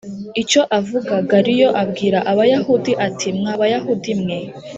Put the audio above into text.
icyo avuga Galiyo abwira Abayahudi ati mwa Bayahudi mwe